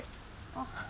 あっ。